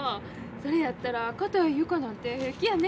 それやったら硬い床なんて平気やね。